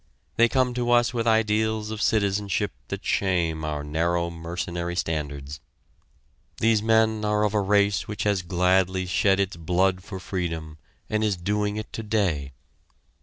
They come to us with ideals of citizenship that shame our narrow, mercenary standards. These men are of a race which has gladly shed its blood for freedom and is doing it today.